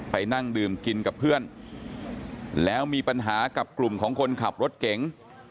นั่งดื่มกินกับเพื่อนแล้วมีปัญหากับกลุ่มของคนขับรถเก๋ง